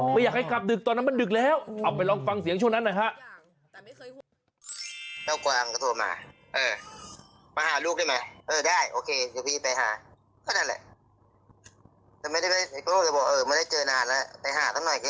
ไม่อยากให้กลับดึกตอนนั้นมันดึกแล้วเอาไปลองฟังเสียงช่วงนั้นหน่อยฮะ